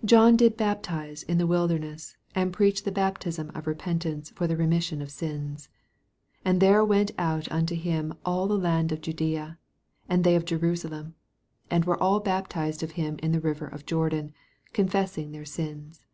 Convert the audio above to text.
4 John did baptize in the wilder ness, and preach the baptism of re pentance for the remission of sins. 5 And there went out unto him all the land of Judsea, and they of Jeru salem, and were all baptized of him in the river of Jordan, confessing their sins.